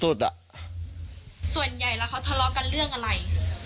ส่วนใหญ่แล้วเขาทะเลาะกันเรื่องอะไร